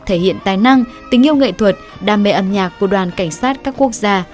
thể hiện tài năng tình yêu nghệ thuật đam mê âm nhạc của đoàn cảnh sát các quốc gia